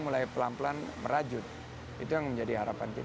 mulai pelan pelan merajut itu yang menjadi harapan kita